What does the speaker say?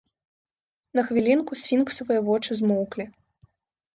На хвілінку сфінксавыя вочы змоўклі.